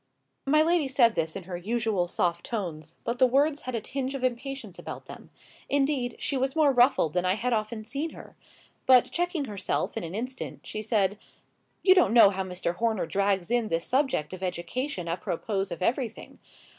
My lady said this in her usual soft tones; but the words had a tinge of impatience about them; indeed, she was more ruffled than I had often seen her; but, checking herself in an instant she said— "You don't know how Mr. Horner drags in this subject of education apropos of everything.